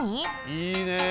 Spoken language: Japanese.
いいねえ。